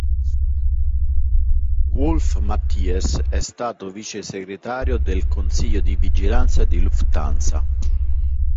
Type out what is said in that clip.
Wulf-Mathies è stata vicesegretario del consiglio di vigilanza di Lufthansa.